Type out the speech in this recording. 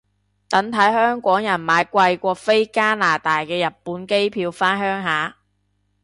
等睇香港人買貴過飛加拿大嘅日本機票返鄉下